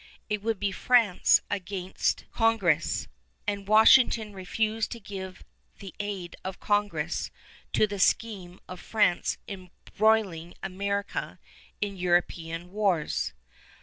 It would be France against Congress, and Washington refused to give the aid of Congress to the scheme of France embroiling America in European wars.